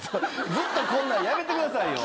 ずっとこんなんやめてくださいよ。